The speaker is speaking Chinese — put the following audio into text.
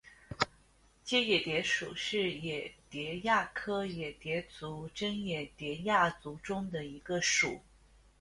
结眼蝶属是眼蝶亚科眼蝶族珍眼蝶亚族中的一个属。